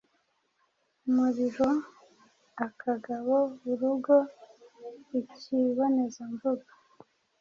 umuriro, akagabo, urugo, ikibonezamvugo